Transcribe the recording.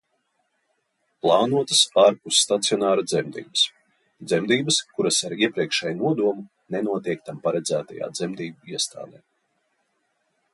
Plānotas ārpusstacionāra dzemdības – dzemdības, kuras ar iepriekšēju nodomu nenotiek tām paredzētajā dzemdību iestādē.